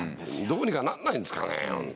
どうにかなんないんですかね。